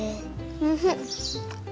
おいしい。